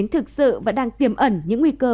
thực sự vẫn đang tiềm ẩn những nguy cơ